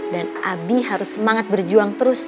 dan abi harus semangat berjuang terus